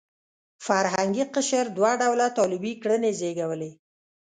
فرهنګي قشر دوه ډوله طالبي کړنې زېږولې.